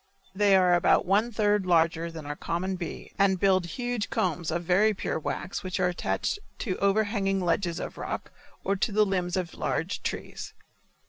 They are about one third larger than our common bee and build huge combs of very pure wax which are attached to overhanging ledges of rock or to the limbs of large trees.